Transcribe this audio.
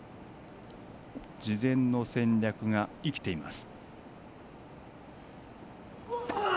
事前の戦略が生きています。